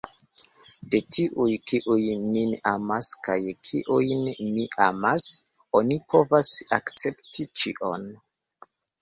De tiuj, kiuj nin amas kaj kiujn ni amas, oni povas akcepti ĉion.